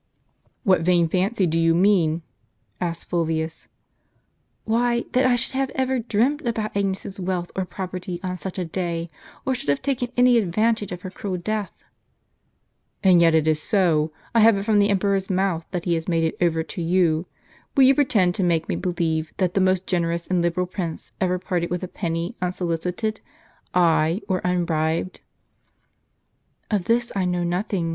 "What vain fancy do you mean? " asked Fulvius. "Why, that I should have ever dreamt about Agnes's wealth or property on such a day, or should have taken any advantage of her cruel death." "And yet it is so; I have it from the emperor's mouth that he has made it over to you. Will you pretend to make me believe, that this most generous and liberal prince ever parted with a penny unsolicited, ay, or unbribed ?"" Of this I know nothing.